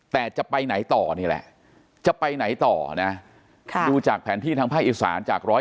แต่จะไปไหนต่อนี่แหละจะไปไหนต่อนะดูจากแผนที่ทางภาคอีสานจาก๑๐๑